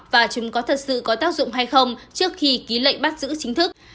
và chúng có thật sự có tác dụng hay không trước khi ký lệnh bắt giữ chính thức